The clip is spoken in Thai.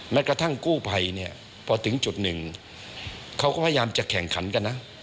แม้กระทั่งกู้ไพพอถึงจุดหนึ่งเขาก็พยายามจะแข่งขันกันนะ